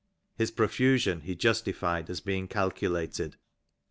His provision he justified as being calculated.